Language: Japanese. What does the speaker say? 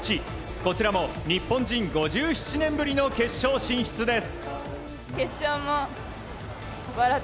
こちらも日本人５７年ぶりの決勝進出です。